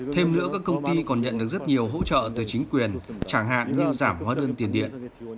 thêm nữa các công ty còn nhận được rất nhiều hỗ trợ từ chính quyền chẳng hạn như giảm hóa đơn tiền điện